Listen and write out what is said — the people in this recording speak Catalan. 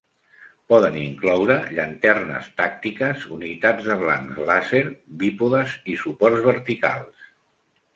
Poden incloure llanternes tàctiques, unitats de blancs làser, bípodes i suports verticals.